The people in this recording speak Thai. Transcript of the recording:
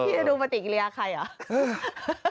พี่อันดูปติกิริยาใครหรอ